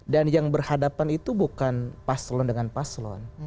dan yang berhadapan itu bukan paslon dengan paslon